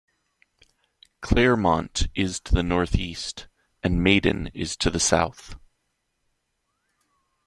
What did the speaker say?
Claremont is to the northeast, and Maiden is to the south.